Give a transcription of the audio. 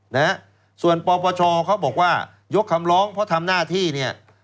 นะฮะส่วนปปชเขาบอกว่ายกคำร้องเพราะทำหน้าที่เนี่ย